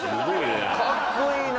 かっこいいな。